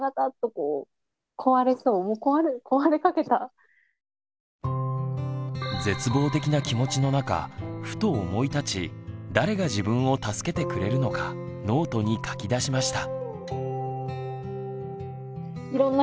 いよいよ絶望的な気持ちの中ふと思い立ち誰が自分を助けてくれるのかノートに書き出しました。